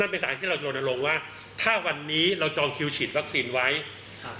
นั่นเป็นสาเหตุที่เราจะโดนอารมณ์ว่าถ้าวันนี้เราจองคิวฉีดวัคซีนไว้ค่ะ